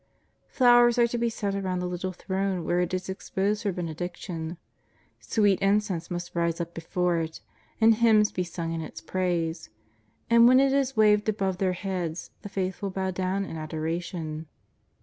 Flowers are to be set around the little throne where It is exposed for Benediction, sweet in cense must rise up before It, and hymns be sung in Its praise. And when It is waved above their heads, the faithful bow down in adoration.